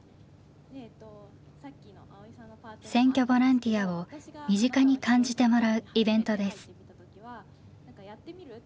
選挙ボランティアを身近に感じてもらうイベントです。